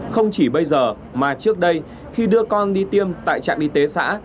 không chỉ bây giờ mà trước đây khi đưa con đi tiêm tại trạm y tế xã